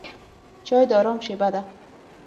چای د آرام شېبه ده.